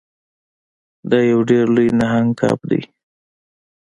دا یو ډیر لوی نهنګ کب دی.